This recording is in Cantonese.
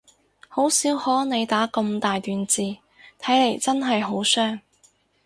好少可你打咁大段字，睇嚟真係好傷